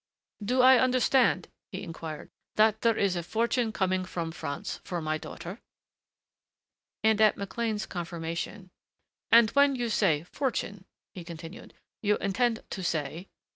"Do I understand," he inquired, "that there is a fortune coming from France for my daughter?" And at McLean's confirmation, "And when you say fortune," he continued, "you intend to say